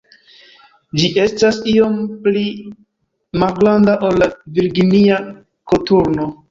Ĝi estas iom pli malgranda ol la Virginia koturno.